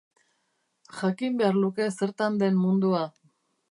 Jakin behar luke zertan den mundua.